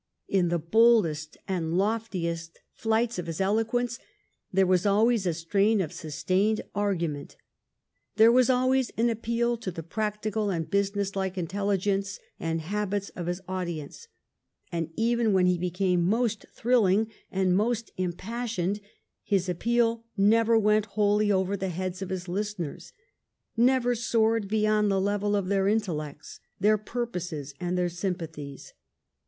In the boldest and loftiest flights of his eloquence there was always a strain of sustained argument, there was always an appeal to the practical and business like intelligence and habits of his audience, and even when he became most thrilling and most impassioned his appeal never went wholly over the heads of his listeners, never soared beyond the level of their intellects, their purposes, and their sympathies.